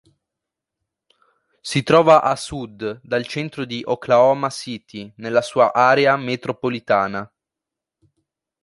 Si trova a sud dal centro di Oklahoma City nella sua area metropolitana.